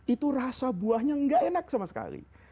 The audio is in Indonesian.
itu rasa buahnya nggak enak sama sekali